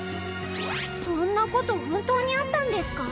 そんな事本当にあったんですか？